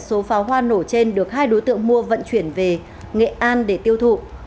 số pháo hoa nổ trên được hai đối tượng mua vận chuyển về nghệ an để tiêu thụ